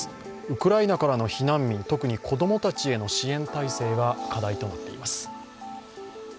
ウクライナからの避難民、特に子供たちへの支援体制が課題となっています。